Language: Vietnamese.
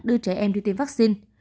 đưa trẻ em đi tiêm vaccine